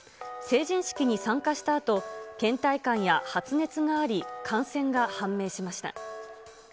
成人式に参加したあと、けん怠感や発熱があり、感染が判明しました。